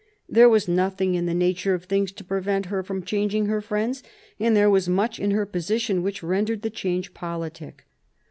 There was nothing in the nature of things to prevent her from changing her friends, and there was much in her position which rendered the change politic.